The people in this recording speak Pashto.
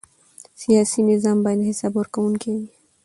سیاسي نظام باید حساب ورکوونکی وي